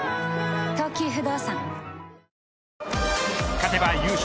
勝てば優勝